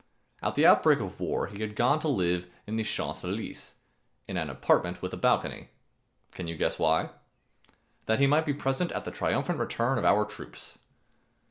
At the outbreak of war he had gone to live in the Champs Élysées, in an apartment with a balcony. Can you guess why? That he might be present at the triumphant return of our troops.